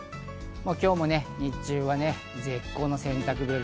今日も日中は絶好の洗濯日和。